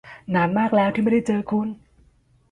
นานมากแล้วที่ไม่ได้เจอคุณ !